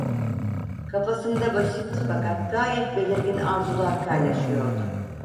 Kafasında basit fakat gayet belirgin arzular kaynaşıyordu.